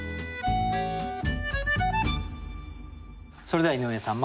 それでは井上さん